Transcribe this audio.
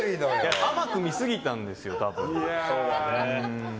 甘く見すぎたんですよ、多分。